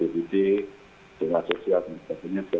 di bidang sosial dan seterusnya